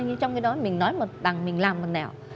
như trong cái đó mình nói một đằng mình làm một nẻo